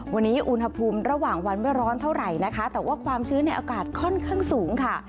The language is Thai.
วันนี้อุณหภูมิระหว่างวันไม่ร้อนเท่าไหร่นะคะแต่ว่าความชื้นในอากาศค่อนข้างสูงค่ะ